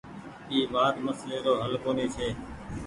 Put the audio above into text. اي وآت مسلي رو هل ڪونيٚ ڇي۔